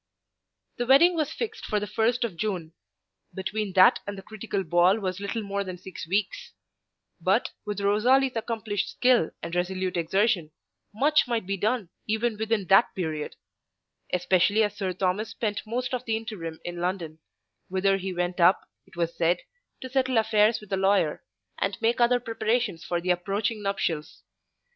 The wedding was fixed for the first of June. Between that and the critical ball was little more than six weeks; but, with Rosalie's accomplished skill and resolute exertion, much might be done, even within that period; especially as Sir Thomas spent most of the interim in London; whither he went up, it was said, to settle affairs with his lawyer, and make other preparations for the approaching nuptials.